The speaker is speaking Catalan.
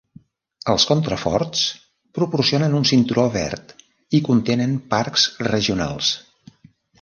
Els contraforts proporcionen un cinturó verd i contenen parcs regionals.